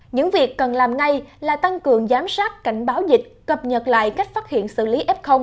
những việc cần làm ngay là tăng cường giám sát cảnh báo dịch cập nhật lại cách phát hiện xử lý f